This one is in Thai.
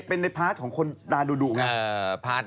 อ๋อเป็นในพาร์ทของคนดาดูดูไง